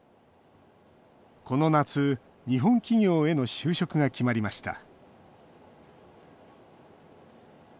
この夏、日本企業への就職が決まりました。